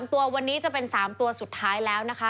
ตัววันนี้จะเป็น๓ตัวสุดท้ายแล้วนะคะ